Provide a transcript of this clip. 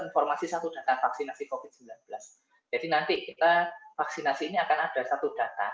informasi satu data vaksinasi covid sembilan belas jadi nanti kita vaksinasi ini akan ada satu data